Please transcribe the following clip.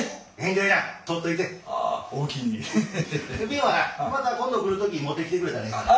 瓶はまた今度来る時に持ってきてくれたらええから。